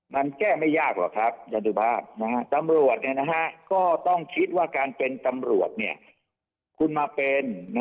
มันแก้ไม่ยากหรอกครับยันสุภาพตำรวจก็ต้องคิดว่าการเป็นตำรวจคุณมาเป็น